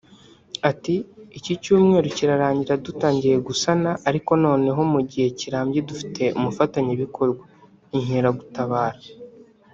Ati “Iki cyumweru kirarangira dutangiye gusana ariko noneho mu gihe kirambye dufite umufatanyabikorwa (Inkeragutabara)